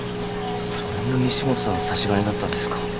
それも西本さんの差し金だったんですか。